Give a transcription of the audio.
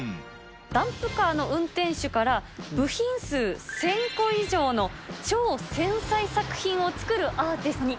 ダンプカーの運転手から、部品数１０００個以上の超繊細作品を作るアーティストに。